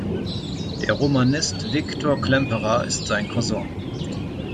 Der Romanist Victor Klemperer ist sein Cousin.